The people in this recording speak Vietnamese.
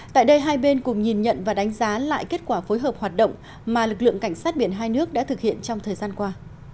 tại đây hai bên cùng nhìn nhận và đánh giá lại kết quả phối hợp hoạt động mà lực lượng cảnh sát biển hai nước đã thực hiện trong thời gian qua